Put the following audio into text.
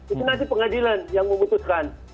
itu nanti pengadilan yang memutuskan